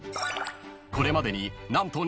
［これまでに何と］